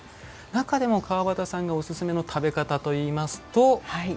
中でも川端さんがおすすめの食べ方といいますと？